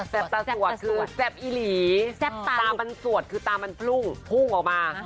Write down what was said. ตาสวดคือแซ่บอีหลีแซ่บตามันสวดคือตามันพรุ่งพุ่งออกมา